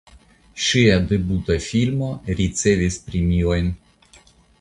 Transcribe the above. Ŝia debuta filmo ricevis premiojn.